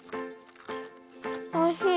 おいしい。